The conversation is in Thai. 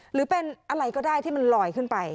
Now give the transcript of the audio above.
หรือเป็นอะไรก็ได้ที่มันลอยขึ้นไป